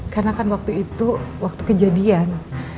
karena waktu itu waktu kejadian